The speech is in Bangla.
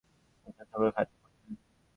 সে-সব ফল আমাদের খাইতে বলিলেন।